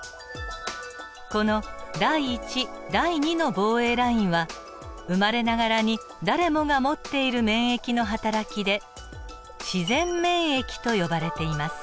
この第１第２の防衛ラインは生まれながらに誰もが持っている免疫のはたらきで自然免疫と呼ばれています。